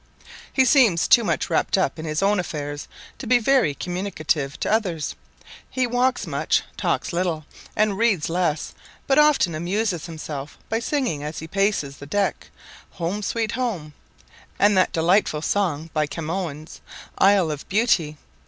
He seems too much wrapped up in his own affairs to be very communicative to others; he walks much, talks little, and reads less, but often amuses himself by singing as he paces the deck, "Home, sweet home," and that delightful song by Camoens, "Isle of beauty."